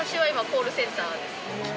コールセンターです。